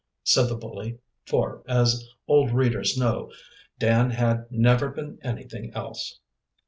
said the bully, for, as old readers know, Dan had never been anything else.